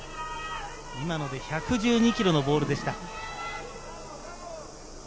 今ので１１２キロのボールでした。